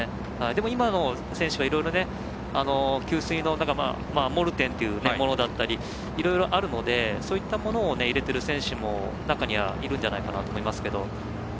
今の選手はいろいろ、給水のモルテンっていうものだったりいろいろあるのでそういったものを入れてる選手も中に入るんじゃないかと思いますけど。